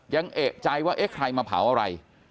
เอกใจว่าเอ๊ะใครมาเผาอะไร